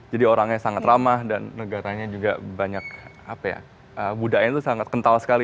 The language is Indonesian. jadi orangnya sangat ramah dan negaranya juga banyak apa ya budaya itu sangat kental sekali